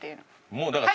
もうだから。